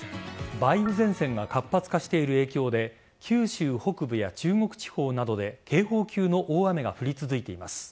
梅雨前線が活発化している影響で九州北部や中国地方などで警報級の大雨が降り続いています。